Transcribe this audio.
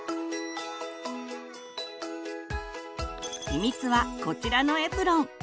秘密はこちらのエプロン。